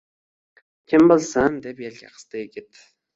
— Kim bilsin, — deb yelka qisdi yigit.